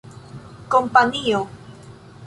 kompanio